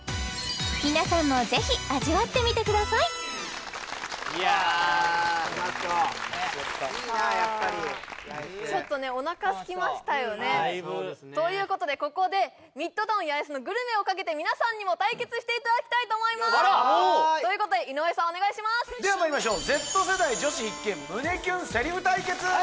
もういやあうまそういいなやっぱりちょっとおなかすきましたよねということでここでミッドタウン八重洲のグルメをかけて皆さんにも対決していただきたいと思います！ということで井上さんお願いしますではまいりましょう